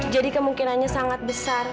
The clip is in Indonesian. jadi kemungkinannya sangat besar